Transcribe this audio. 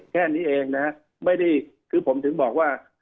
แค่นี้เองนะฮะไม่ได้คือผมถึงบอกว่า